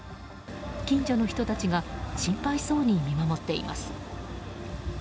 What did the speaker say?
近所の人たちが心配そうに見守っています。